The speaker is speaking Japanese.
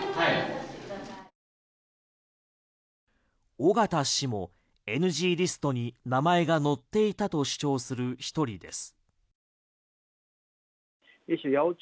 尾形氏もＮＧリストに名前が載っていたと主張する１人です。